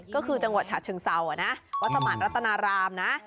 ก็คือจังหวัดฉะเชิงเซานะวัดสมานรัตนารามนะ